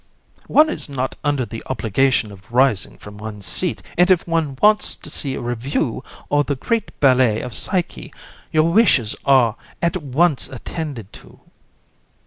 One is not under the obligation of rising from one's seat, and if one wants to see a review or the great ballet of Psyche, your wishes are at once attended to.